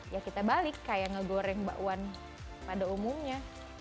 ya kita balik kayak ngegoreng bakwan pada umumnya